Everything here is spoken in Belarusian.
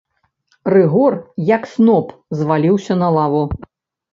Рыгор як сноп зваліўся на лаву.